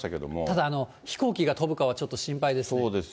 ただ、飛行機が飛ぶかはちょっと心配ですね。